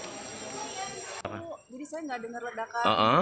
jadi saya nggak dengar ledakan